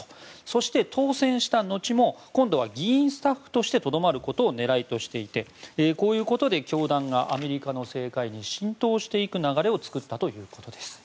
そして、当選した後も今度は議員スタッフとしてとどまることを狙いとしていてこういうことで教団がアメリカの政界に浸透していく流れを作ったということです。